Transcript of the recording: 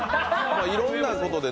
いろんなことでね。